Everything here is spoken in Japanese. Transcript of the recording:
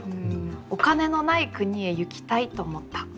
「お金のない国へ行きたいと思った」。